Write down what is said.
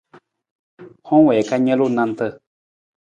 Hang wii ka nalu nanta.